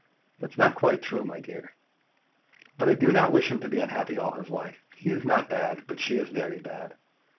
"That's quite true, my dear." "But I do not wish him to be unhappy all his life. He is not bad, but she is very bad.